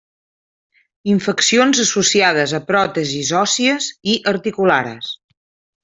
Infeccions associades a pròtesis òssies i articulares.